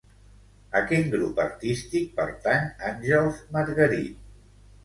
A quin grup artístic pertany Àngels Margarit?